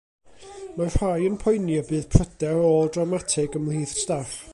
Mae rhai yn poeni y bydd pryder ôl-drawmatig ymhlith staff.